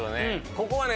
ここはね